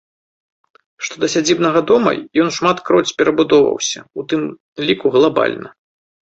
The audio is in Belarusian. Што да сядзібнага дома, ён шматкроць перабудоўваўся, у тым ліку глабальна.